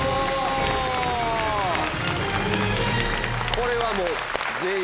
これはもう。